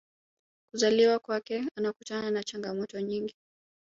kuzaliwa kwake anakutana na changamoto nyingi